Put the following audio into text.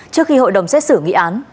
trước khi hội đồng xét xử nghị án